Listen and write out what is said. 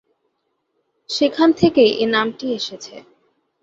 সেখান থেকেই এ নামটি এসেছে।